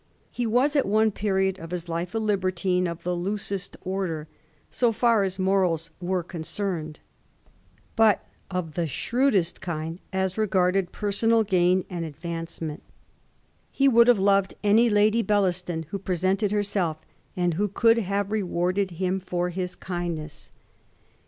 He was at one period of his life a Hbertine of the loosest order, so fiEU* as morals were concerned, but of the shrewdest kind as regarded personal gain and advancement. He would have loved any Lady Bellaston who presented herseli^ and who could have rewarded him for his kindness. He Digiti zed by Google 32 A HISTORY OF THE POUR GEORGES.